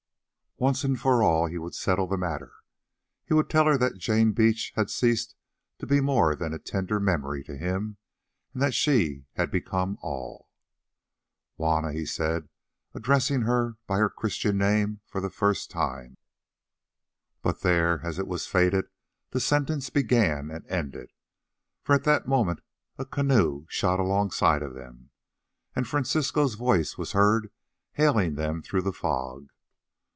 Once and for all he would settle the matter; he would tell her that Jane Beach had ceased to be more than a tender memory to him, and that she had become all. "Juanna," he said, addressing her by her Christian name for the first time. But there, as it was fated, the sentence began and ended, for at that moment a canoe shot alongside of them, and Francisco's voice was heard hailing them through the fog.